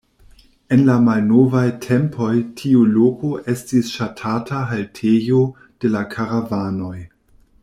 En la malnovaj tempoj tiu loko estis ŝatata haltejo de la karavanoj.